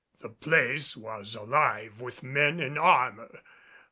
The place was alive with men in armor, but M.